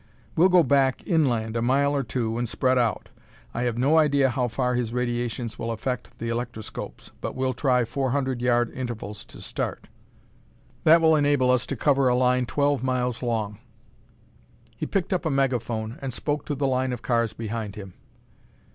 We'll go back inland a mile or two and spread out. I have no idea how far his radiations will affect the electroscopes, but we'll try four hundred yard intervals to start. That will enable us to cover a line twelve miles long." He picked up a megaphone and spoke to the line of cars behind him.